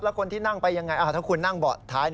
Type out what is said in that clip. แล้วคนที่นั่งไปยังไงถ้าคุณนั่งเบาะท้าย